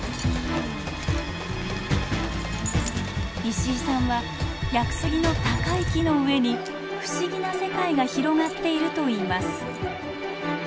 石井さんは屋久杉の高い木の上に不思議な世界が広がっているといいます。